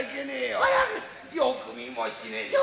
よく見もしねえで。